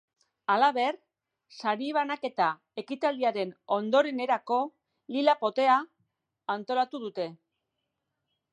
Halaber, sari banaketa ekitaldiaren ondorenerako lila-potea antolatu dute.